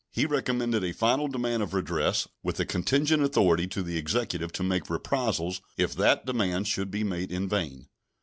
He recommended a final demand of redress, with a contingent authority to the Executive to make reprisals if that demand should be made in vain.